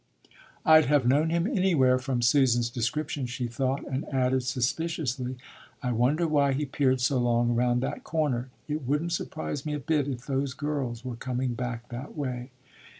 "I'd have known him anywhere from Susan's description," she thought, and added suspiciously, "I wonder why he peered so long around that corner? It wouldn't surprise me a bit if those girls were coming back that way."